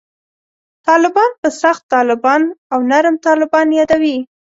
طالبان په «سخت طالبان» او «نرم طالبان» یادوي.